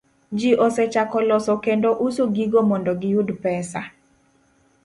Ji osechako loso kendo uso gigo mondo giyud pesa.